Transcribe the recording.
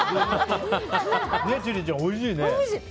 千里ちゃん、おいしいね。